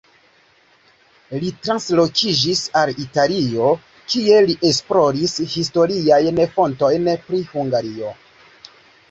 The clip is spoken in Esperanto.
Li translokiĝis al Italio, kie li esploris historiajn fontojn pri Hungario.